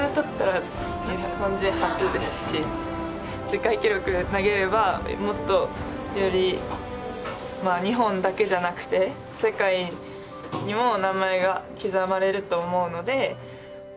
世界記録投げればもっとより日本だけじゃなくて世界にも名前が刻まれると思うので。